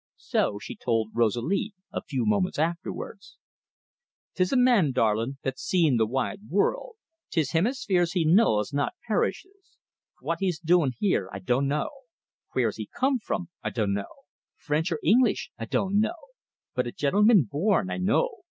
So she told Rosalie a few moments afterwards. "'Tis a man, darlin', that's seen the wide wurruld. 'Tis himisperes he knows, not parrishes. Fwhat's he doin' here, I dun'no'. Fwhere's he come from, I dun'no'. French or English, I dun'no'. But a gintleman born, I know.